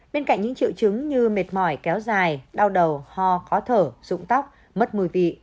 bên cạnh những triệu chứng như mệt mỏi kéo dài đau đầu ho khó thở rụng tóc mất mùi vị